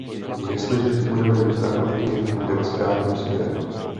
Jestliže to budeme mít na paměti, půjdeme správným směrem.